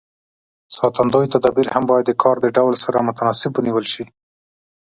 ساتندوی تدابیر هم باید د کار د ډول سره متناسب ونیول شي.